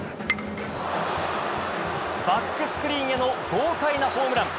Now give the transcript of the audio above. バックスクリーンへの豪快なホームラン。